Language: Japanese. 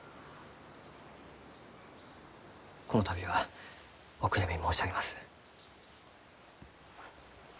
この度はお悔やみ申し上げます。